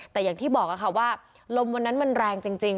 แต่อย่างที่บอกค่ะว่าลมวันนั้นมันแรงจริง